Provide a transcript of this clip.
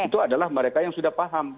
itu adalah mereka yang sudah paham